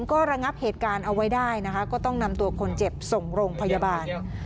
ก็ระงับเหตุการณ์เอาไว้ได้นะคะก็ต้องนำตัวคนเจ็บส่งโรงพยาบาล